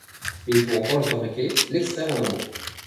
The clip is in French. Mais il faut encore le fabriquer, l’extraire en un mot.